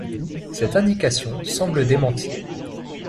Cette indication semble démentie.